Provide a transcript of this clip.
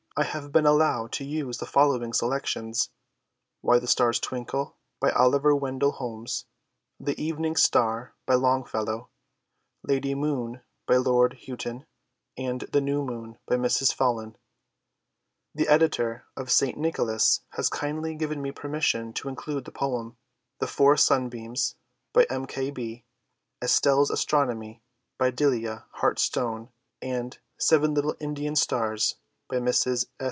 I have been allowed to use the following selections: "Why the Stars Twinkle," by Oliver Wendell Holmes; "The Evening Star," by Longfellow; "Lady Moon," by Lord Houghton; and "The New Moon," by Mrs. Follen. The editor of St. Nicholas has kindly given me permission to include the poems "The Four Sunbeams," by M. K. B.; "Estelle's Astronomy," by Delia Hart Stone; and "Seven Little Indian Stars," by Mrs. S.